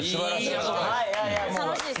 楽しいです。